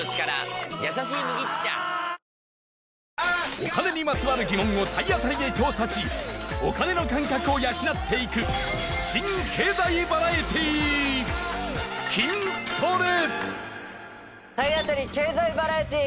お金にまつわる疑問を体当たりで調査しお金の感覚を養っていく新経済バラエティー体当たり経済バラエティー！